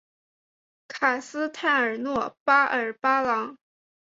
卡斯泰尔诺巴尔巴朗。